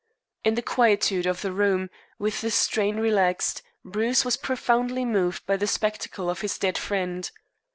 In the quietude of the room, with the strain relaxed, Bruce was profoundly moved by the spectacle of his dead friend.